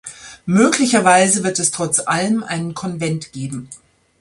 Möglicherweise wird es trotz allem einen Konvent geben.